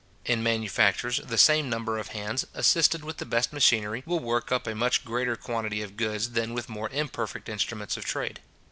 In manufactures, the same number of hands, assisted with the best machinery, will work up a much greater quantity of goods than with more imperfect instruments of trade.